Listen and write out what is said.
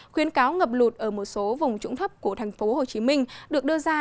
khuyến cáo ngập lụt ở một số vùng trũng thấp của thành phố hồ chí minh được đưa ra